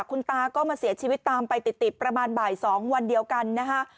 คุณตาก็มาเสียชีวิตตามไปติดประมาณบ่าย๒วันเดียวกันนะคะ